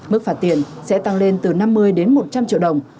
mức phạt tiền sẽ tăng lên từ năm mươi đến một trăm linh triệu đồng